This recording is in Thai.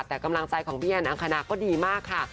แต่กำลังใจของพี่แอนอังคณาก็ดีมากค่ะ